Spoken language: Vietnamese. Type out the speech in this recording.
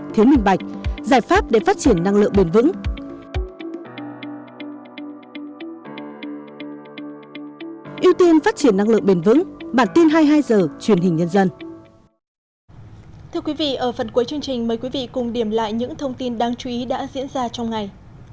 thưa quý vị ở phần cuối chương trình mời quý vị cùng điểm lại những thông tin đáng chú ý đã diễn ra trong ngày